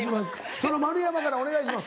その丸山からお願いします。